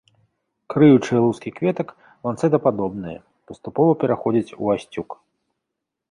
Крыючыя лускі кветак ланцэтападобныя, паступова пераходзяць у асцюк.